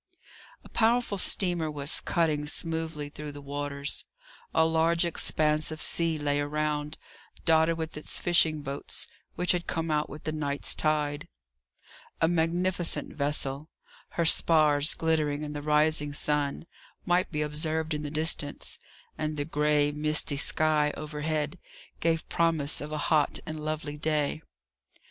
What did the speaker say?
A powerful steamer was cutting smoothly through the waters. A large expanse of sea lay around, dotted with its fishing boats, which had come out with the night's tide. A magnificent vessel, her spars glittering in the rising sun, might be observed in the distance, and the grey, misty sky, overhead, gave promise of a hot and lovely day.